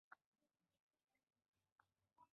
دښته په ځان بسیا ژوند ته اړتیا لري.